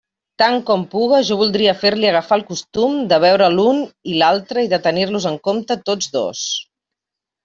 Tant com puga, jo voldria fer-li agafar el costum de veure l'un i l'altre i de tenir-los en compte tots dos.